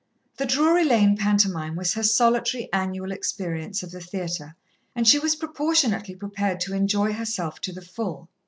The Drury Lane pantomime was her solitary annual experience of the theatre, and she was proportionately prepared to enjoy herself to the full.